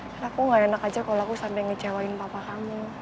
karena aku gak enak aja kalau aku sampai ngecewain papa kamu